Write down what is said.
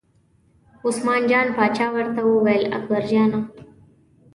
عثمان جان پاچا ورته وویل اکبرجانه!